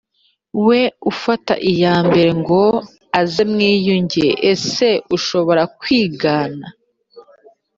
we ufata iya mbere ngo aze mwiyunge ese ushobora kwigana